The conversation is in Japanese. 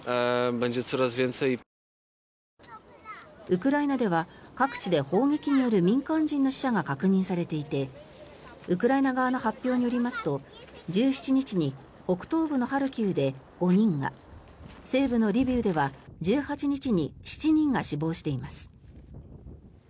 ウクライナでは各地で砲撃による民間人の死者が確認されていてウクライナ側の発表によりますと１７日に北東部のハルキウで５人が西部のリビウでは１８日に７人が死亡しています。